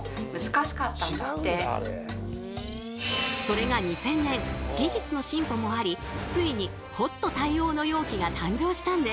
それが２０００年技術の進歩もありついにホット対応の容器が誕生したんです。